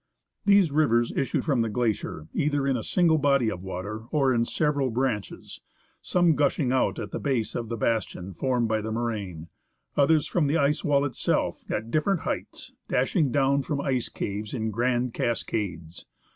These rivers issue from the glacier either in a single body of water, or in several branches, some gushing out at the base of the bastion formed by the moraine, others from the ice wall itself, at different heights, dashing down from ice caves in grand cascades.